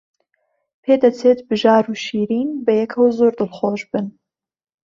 پێدەچێت بژار و شیرین بەیەکەوە زۆر دڵخۆش بن.